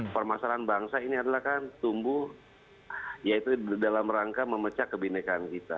permasalahan bangsa ini adalah kan tumbuh yaitu dalam rangka memecah kebenekaan kita